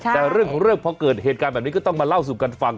แต่เรื่องของเรื่องพอเกิดเหตุการณ์แบบนี้ก็ต้องมาเล่าสู่กันฟัง